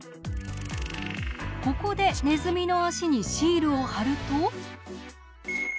ここでネズミの脚にシールを貼ると。